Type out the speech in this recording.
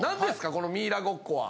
このミイラごっこは。